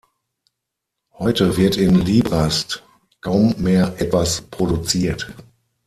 Heute wird in Librazhd kaum mehr etwas produziert.